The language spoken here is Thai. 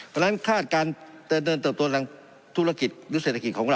เพราะฉะนั้นคาดการเติบตัวลังธุรกิจรุษเศรษฐกิจของเรา